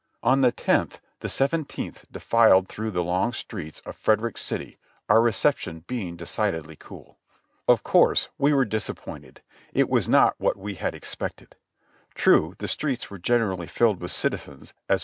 On the tenth the Seventeenth defiled through the long streets of Frederick City, our reception being decidedly cool. Of course we were disappointed ; it was not what we had expected. Tnie, the streets were generally filled with citizens, as v.